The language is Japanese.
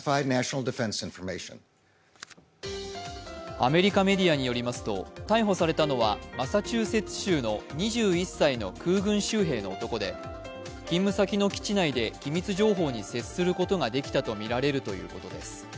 アメリカメディアによりますと逮捕されたのはマサチューセッツ州の２１歳の空軍州兵の男で、勤務先の基地内で機密情報に接することができたとみられるということです。